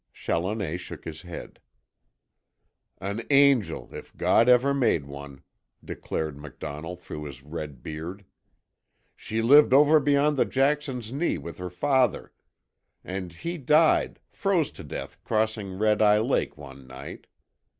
Challoner shook his head. "An angel if God ever made one," declared MacDonnell through his red beard. "She lived over beyond the Jackson's Knee with her father. And he died, froze to death crossing Red Eye Lake one night.